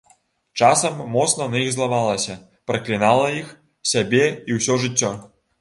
Часам моцна на іх злавалася, праклінала іх, сябе, і ўсё жыццё.